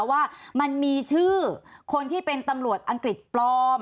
ว่ามันมีชื่อคนที่เป็นตำรวจอังกฤษปลอม